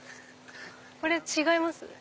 これ違います？